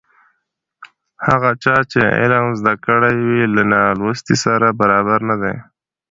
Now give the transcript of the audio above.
هغه چا چې علم زده کړی وي له نالوستي سره برابر نه دی.